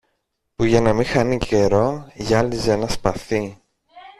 που για να μη χάνει καιρό γυάλιζε ένα σπαθί